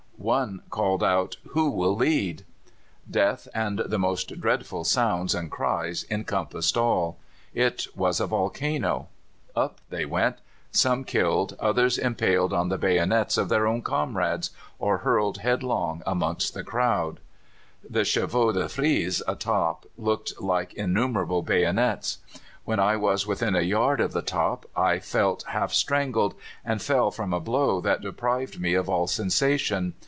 One called out, "Who will lead?" Death and the most dreadful sounds and cries encompassed all. It was a volcano! Up they went: some killed, others impaled on the bayonets of their own comrades, or hurled headlong amongst the crowd. The chevaux de frise atop looked like innumerable bayonets. "When I was within a yard of the top I felt half strangled, and fell from a blow that deprived me of all sensation.